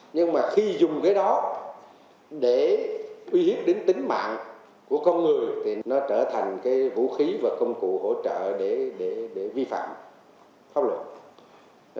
nhưng mà khi dùng cái đó để uy hiếp đến tính mạng của con người thì nó trở thành cái vũ khí và công cụ hỗ trợ để vi phạm pháp luật